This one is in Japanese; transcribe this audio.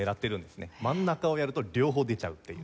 真ん中をやると両方出ちゃうっていう。